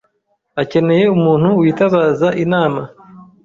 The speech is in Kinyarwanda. Akeneye umuntu witabaza inama.